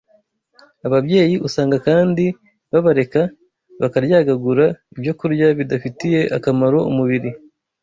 Ababyeyi usanga kandi babareka bakaryagagura ibyokurya bidafitiye akamaro umubiri